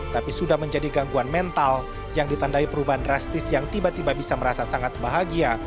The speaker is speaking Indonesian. tapi sudah menjadi gangguan mental yang ditandai perubahan drastis yang tiba tiba bisa merasa sangat bahagia